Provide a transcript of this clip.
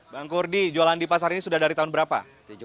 bang kurdi jualan di pasar ini sudah dari tahun berapa